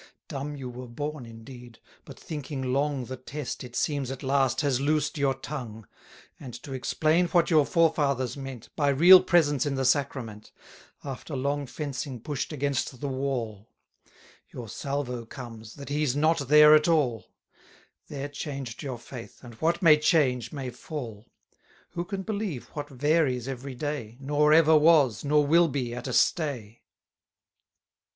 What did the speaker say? Dumb you were born indeed; but thinking long The Test it seems at last has loosed your tongue. 30 And to explain what your forefathers meant, By real presence in the sacrament, After long fencing push'd against the wall. Your salvo comes, that he's not there at all: There changed your faith, and what may change may fall. Who can believe what varies every day, Nor ever was, nor will be at a stay?